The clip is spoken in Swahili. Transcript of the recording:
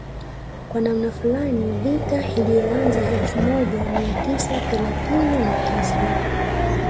Kwa namna fulani vita iliyoanza elfu moja mia tisa thelathini na tisa